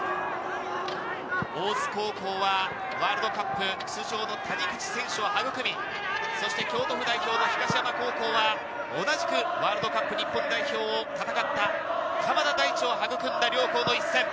大津高校はワールドカップ出場の谷口選手を育み、京都府代表の東山高校は同じくワールドカップ日本代表を戦った鎌田大地を育んだ両校の一戦。